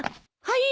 はい？